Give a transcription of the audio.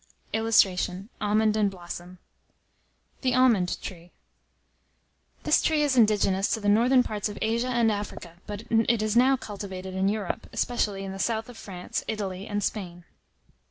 [Illustration: ALMOND & BLOSSOM.] THE ALMOND TREE. This tree is indigenous to the northern parts of Asia and Africa, but it is now cultivated in Europe, especially in the south of France, Italy, and Spain.